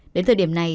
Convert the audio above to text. đến thời điểm này